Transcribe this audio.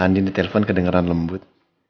andien ditelepon kedengaran lembut